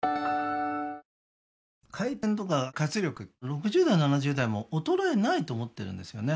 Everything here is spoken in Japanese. ６０代７０代も衰えないと思ってるんですよね